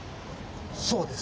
そうです。